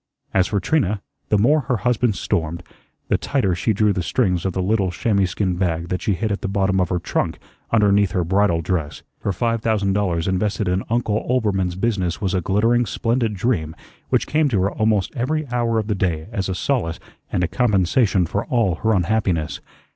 As for Trina, the more her husband stormed, the tighter she drew the strings of the little chamois skin bag that she hid at the bottom of her trunk underneath her bridal dress. Her five thousand dollars invested in Uncle Oelbermann's business was a glittering, splendid dream which came to her almost every hour of the day as a solace and a compensation for all her unhappiness.